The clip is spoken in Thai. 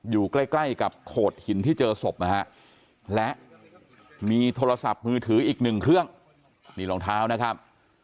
อยู่ใกล้ใกล้กับโขดหินที่เจอศพนะฮะและมีโทรศัพท์มือถืออีกหนึ่งเครื่องนี่รองเท้านะครับ